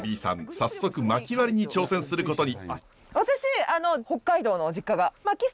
早速まき割りに挑戦することに。